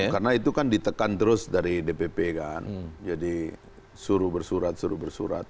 karena itu kan ditekan terus dari dpp kan jadi suruh bersurat suruh bersurat